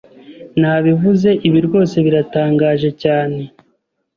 Nabivuze ibi rwose biratangaje cyane